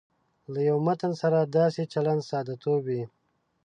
له یوه متن سره داسې چلند ساده توب وي.